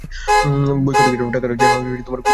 বৈকুণ্ঠকে টাকাটা যেন কুমুর নামে পাঠানো হয়।